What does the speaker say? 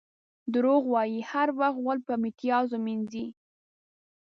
دروغ وایي؛ هر وخت غول په میتیازو مینځي.